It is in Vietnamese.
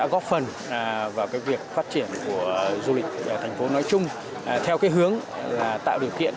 phát triển vào cái việc phát triển của du lịch thành phố nói chung theo cái hướng là tạo điều kiện